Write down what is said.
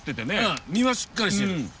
身はしっかりしてる。